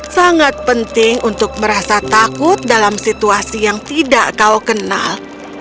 sangat penting untuk merasa takut dalam situasi yang tidak kau kenal